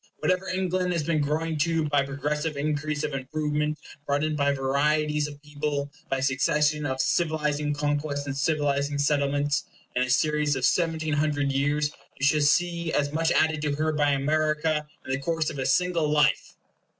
Whatever England has been growing to by a progressive increase of improvement, brought in by varieties of people, by succession of civilizing conquests and civilizing settlements in a series of seventeen hundred years, you shall see as much added to her by America in the course of a single life!"